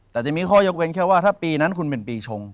แต่จะมีข้อยกเว้นแค่ว่าถ้าปีนั้นคุณเป็นปีชง